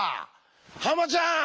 ハマちゃん！